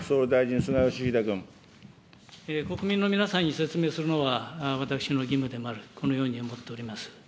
国民の皆さんに説明するのは、私の義務でもある、このように思っております。